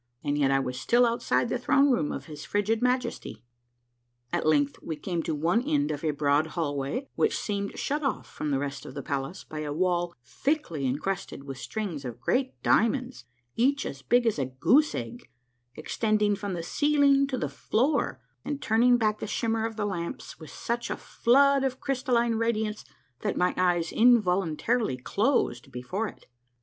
And yet I was still outside the throne room of his frigid Majesty ! At length we came to one end of a broad hallway which seemed shut off from the rest of the palace by a wall thickly incrusted with strings of great diamonds, each as big as a goose egg, extending from the ceiling to the floor, and turning back the shimmer of the lamps with such a flood of crystalline radiance that my eyes involuntarily closed before it.